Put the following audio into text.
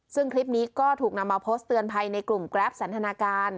ซึ่งคลิปนี้ก็ถูกนำมาโพสต์เตือนภัยในกลุ่มแกรปสันทนาการ